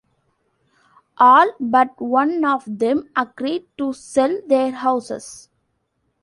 All but one of them agreed to sell their houses.